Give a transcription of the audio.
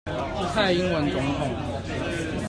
蔡英文總統